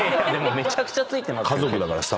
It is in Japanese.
めちゃくちゃ付いてますよ。